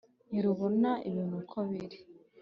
Ntirubona ibintu uko biri